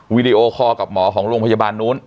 วิดีโอคอลกับหมอของโรงพยาบาลนู้น